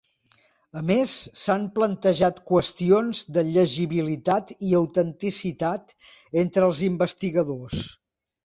A més, s'han plantejat qüestions de llegibilitat i autenticitat entre els investigadors.